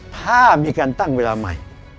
ถ้ามีการตั้งเวลาใหม่